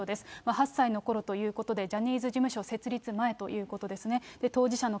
８歳のころということで、ジャニーズ事務所設立前ということですね。